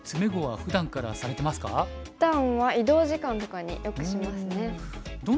ふだんは移動時間とかによくしますね。